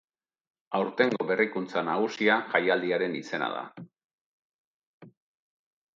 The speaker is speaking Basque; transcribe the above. Aurtengo berrikuntza nagusia jaialdiaren izena da.